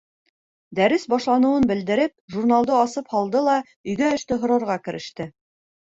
Дәрес башланыуын белдереп, журналды асып һалды ла өйгә эште һорарға кереште.